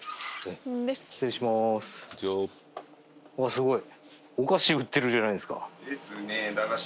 すごい！